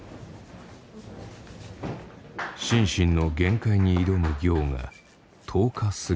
心身の限界に挑む行が１０日過ぎた。